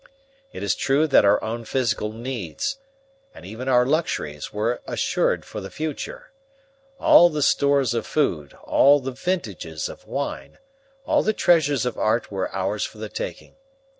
It is true that our own physical needs, and even our luxuries, were assured for the future. All the stores of food, all the vintages of wine, all the treasures of art were ours for the taking.